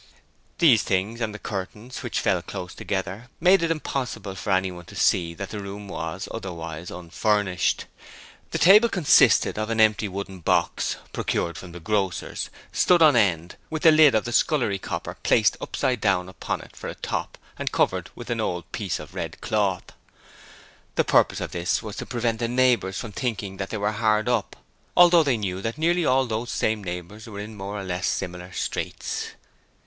These things and the curtains, which fell close together, made it impossible for anyone to see that the room was, otherwise, unfurnished. The 'table' consisted of an empty wooden box procured from the grocer's stood on end, with the lid of the scullery copper placed upside down upon it for a top and covered with an old piece of red cloth. The purpose of this was to prevent the neighbours from thinking that they were hard up; although they knew that nearly all those same neighbours were in more or less similar straits.